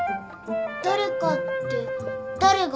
誰かって誰が？